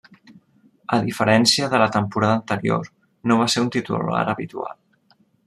A diferència de la temporada anterior, no va ser un titular habitual.